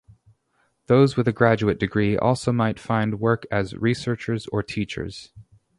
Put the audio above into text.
Those with a graduate degree also might find work as researchers or teachers.